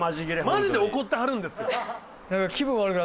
マジで怒ってはるんですよ。